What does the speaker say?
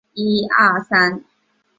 巴顿撞击坑